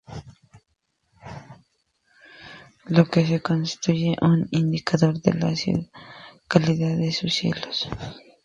Lo que que constituye un indicador de la calidad de sus cielos.